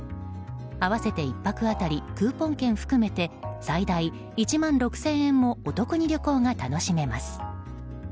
合わせて１泊当たりクーポン券も含めて最大１万６０００円もお得に旅行が楽しめます。